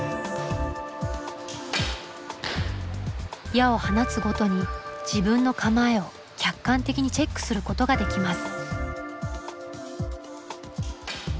矢を放つごとに自分の構えを客観的にチェックすることができます。